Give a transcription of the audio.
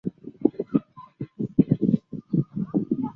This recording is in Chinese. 丰塔内斯人口变化图示